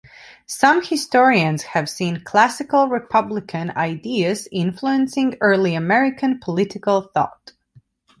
Some historians have seen classical republican ideas influencing early American political thought.